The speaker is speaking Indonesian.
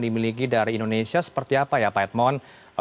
dimiliki dari indonesia seperti apa ya pak edmond